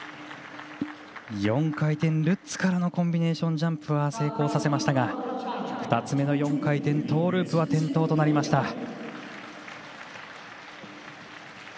４回転ルッツからのコンビネーションジャンプは成功させましたが２つ目の４回転トーループは転倒となりました。